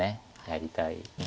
やりたい。